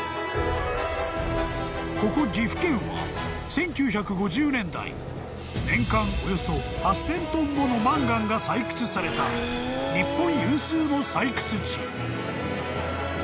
［ここ岐阜県は１９５０年代年間およそ８，０００ｔものマンガンが採掘された日本有数の採掘地］